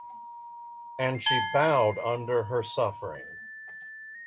And she bowed under her suffering.